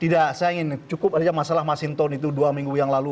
tidak saya ingin cukup saja masalah masinton itu dua minggu yang lalu